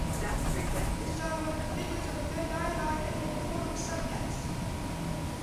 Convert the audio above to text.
Which is on one of the figures of a good dialogue written in the form of a subtext.